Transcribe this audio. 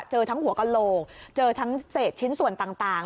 เจอทั้งหัวกระโหลกเจอทั้งเศษชิ้นส่วนต่าง